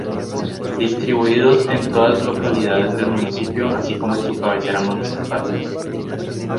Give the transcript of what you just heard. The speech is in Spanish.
Distribuidos en todas localidades del municipio así como en su cabecera municipal.